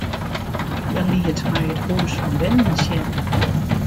Hja liet my it hûs fan binnen sjen.